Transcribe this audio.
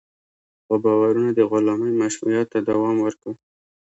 خو باورونه د غلامۍ مشروعیت ته دوام ورکړ.